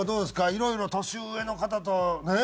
いろいろ年上の方とねえ。